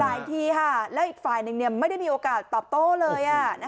หลายทีค่ะแล้วอีกฝ่ายหนึ่งเนี่ยไม่ได้มีโอกาสตอบโต้เลยอ่ะ